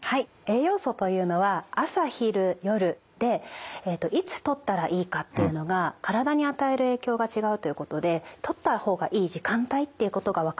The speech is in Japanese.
栄養素というのは朝昼夜でいつとったらいいかっていうのが体に与える影響が違うということでとった方がいい時間帯っていうことが分かってきたんですね。